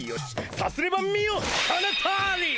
さすれば見よこのとおり！